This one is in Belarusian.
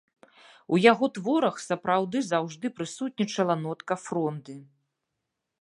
У яго творах сапраўды заўжды прысутнічала нотка фронды.